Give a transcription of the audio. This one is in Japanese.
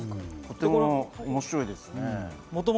とても面白いですね。